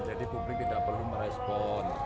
jadi publik tidak perlu merespon